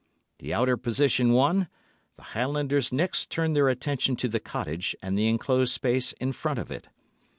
The outer position won, the Highlanders next turned their attention to the cottage and the enclosed space in front of it.